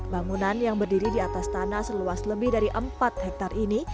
bangunan yang berdiri di atas tanah seluas lebih dari empat hektare ini